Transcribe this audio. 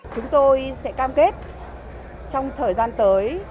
chúng tôi sẽ cam kết trong thời gian tới